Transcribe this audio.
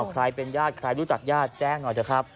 คลาดเป็นญาติใครรู้จักว่านี้แจ้งหน่อยครับ